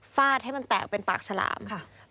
ฟาดให้มันแตกเป็นปากฉลามค่ะ